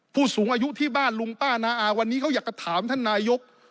ผู้สูงอายุที่บ้านลุงป้านาอาวันนี้เขาอยากจะถามท่านนายก